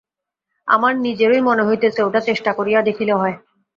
আমার নিজেরই মনে হইতেছে, ওটা চেষ্টা করিয়া দেখিলে হয়।